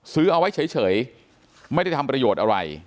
ซื้อเอาไว้เฉยไม่ได้ทำประโยชน์อะไร